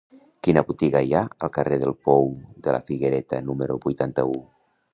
Quina botiga hi ha al carrer del Pou de la Figuereta número vuitanta-u?